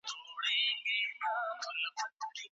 غوره پايله یوازي مستحقو خلګو ته نه سي منسوبېدلای.